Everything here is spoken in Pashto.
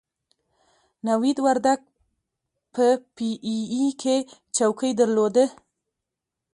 نوید وردګ په پي ای اې کې چوکۍ درلوده.